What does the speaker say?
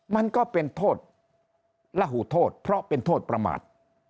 มันก็เป็นโทษระหูโทษเพราะเป็นโทษประมาท